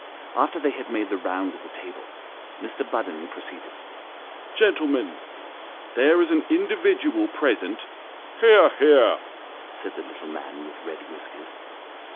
After they had made the round of the table, Mr. Budden proceeded " Gentlemen ; there is an individual present "" Hear ! hear !" said the little man with red whiskers.